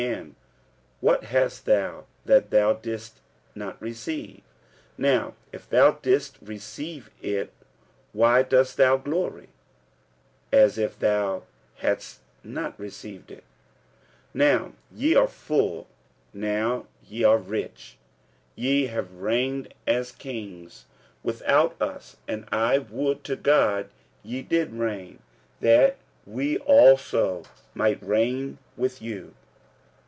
and what hast thou that thou didst not receive? now if thou didst receive it, why dost thou glory, as if thou hadst not received it? 46:004:008 Now ye are full, now ye are rich, ye have reigned as kings without us: and I would to God ye did reign, that we also might reign with you.